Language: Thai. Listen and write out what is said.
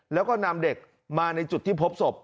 แล้วก็นำเด็กมาในจุดที่พบศพ